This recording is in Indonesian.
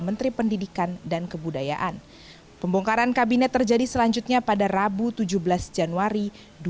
menteri pendidikan dan kebudayaan pembongkaran kabinet terjadi selanjutnya pada rabu tujuh belas januari